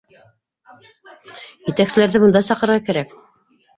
— Етәкселәрҙе бында саҡырырға кәрәк